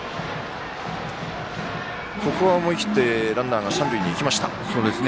ここは思い切ってランナーが三塁に行きました。